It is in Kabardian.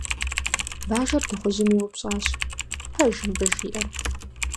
Бажэр дыгъужьым еупщӏащ: - Пэж мыбы жиӏэр?